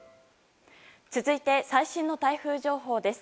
続いて、最新の台風情報です。